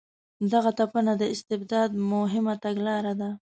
دغه تپنه د استبداد مهمه تګلاره ده.